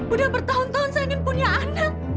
udah bertahun tahun saya ingin punya anak